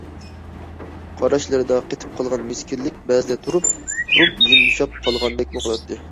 قاراشلىرىدا قېتىپ قالغان مىسكىنلىك بەزىدە تۇرۇپ- تۇرۇپ يۇمشاپ قالغاندەكمۇ قىلاتتى.